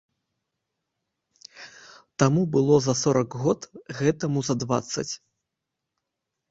Таму было за сорак год, гэтаму за дваццаць.